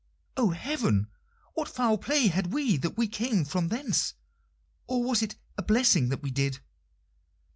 "Oh, heaven! what foul play had we that we came from thence? Or was it a blessing that we did?"